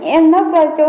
em nấp vào chỗ